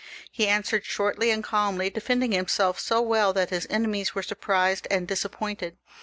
He answered shortly and calmly, defending himself so weU that his enemies were surprised and disappointed.